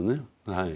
はい。